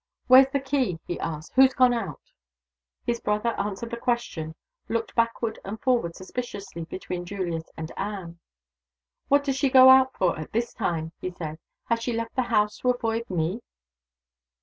"Where's the key?" he asked. "Who's gone out?" His brother answered the question. He looked backward and forward suspiciously between Julius and Anne. "What does she go out for at his time?" he said. "Has she left the house to avoid Me?"